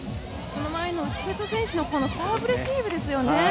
その前の内瀬戸選手のサーブレシーブですよね。